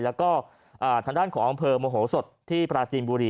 แล้วก็ทางด้านของอำเภอโมโหสดที่ปราจีนบุรี